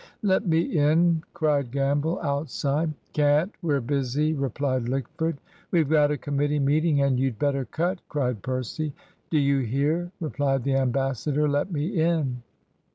"Let me in!" cried Gamble, outside. "Can't; we're busy," replied Lickford. "We've got a committee meeting, and you'd better cut," cried Percy. "Do you hear?" replied the ambassador; "let me in."